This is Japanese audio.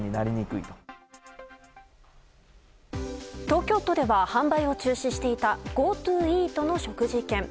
東京都では販売を中止していたＧｏＴｏイートの食事券。